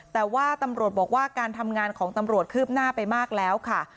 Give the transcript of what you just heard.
แต่ว่าตำรวจบอกว่าการทำงานของตำรวจคืบหน้าไปมากแล้วค่ะ